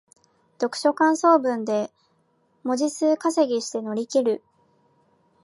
読書感想文で文字数稼ぎして乗り切る